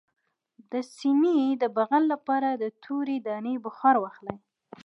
د سینې د بغل لپاره د تورې دانې بخار واخلئ